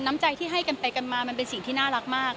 น้ำใจที่ให้กันไปกันมามันเป็นสิ่งที่น่ารักมาก